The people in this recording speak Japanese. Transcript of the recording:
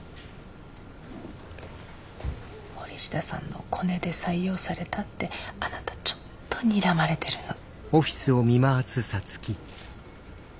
森下さんのコネで採用されたってあなたちょっとにらまれてるの。